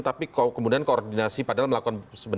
tapi kemudian koordinasi padahal melakukan